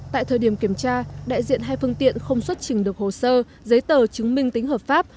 tại thời điểm kiểm tra đại diện hai phương tiện không xuất trình được hồ sơ giấy tờ chứng minh tính hợp pháp